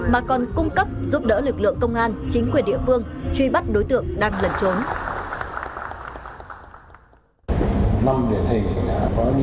mà còn cung cấp giúp đỡ lực lượng công an chính quyền địa phương truy bắt đối tượng đang lẩn trốn